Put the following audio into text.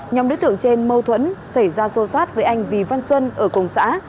nhóm đối tượng trên mâu thuẫn xảy ra xô xát với anh vì văn xuân ở cùng xã